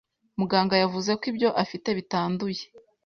Muganga yavuze ko ibyo afite bitanduye.